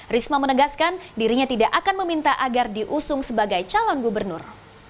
risma menegaskan dirinya tidak akan meminta agar diusung sebagai calon gubernur